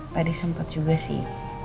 tadi sempet juga sih